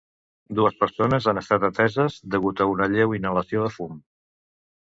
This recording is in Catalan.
Dues persones han estat ateses degut a una lleu inhalació de fum.